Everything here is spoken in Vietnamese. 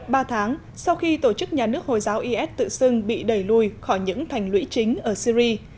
ba tháng sau khi tổ chức nhà nước hồi giáo is tự xưng bị đẩy lùi khỏi những thành lũy chính ở syri